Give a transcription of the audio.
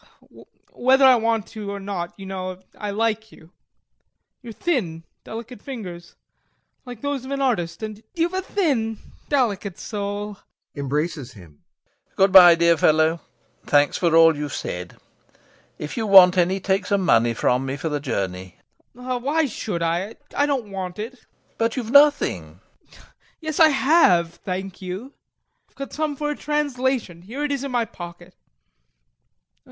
Whether I want to or not, you know, I like you. You've thin, delicate fingers, like those of an artist, and you've a thin, delicate soul...." LOPAKHIN. Good bye, dear fellow. Thanks for all you've said. If you want any, take some money from me for the journey. TROFIMOV. Why should I? I don't want it. LOPAKHIN. But you've nothing! TROFIMOV. Yes, I have, thank you; I've got some for a translation. Here it is in my pocket.